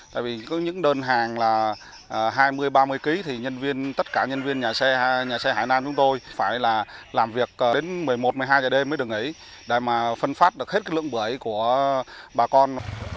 tại vì có những đơn hàng là hai mươi ba mươi kg thì tất cả nhân viên nhà xe nhà xe hải nam chúng tôi phải là làm việc đến một mươi một một mươi hai giờ đêm mới được nghỉ để mà phân phát được hết cái lượng bưởi của bà con